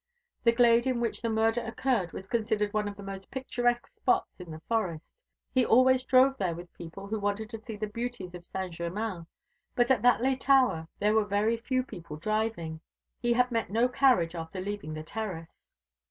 The glade in which the murder occurred was considered one of the most picturesque spots in the forest. He always drove there with people who wanted to see the beauties of Saint Germain. But at that late hour there were very few people driving. He had met no carriage after leaving the terrace.